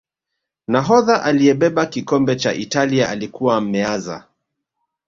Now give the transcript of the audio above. nahodha aliyebeba kikombe cha italia alikuwa Meazza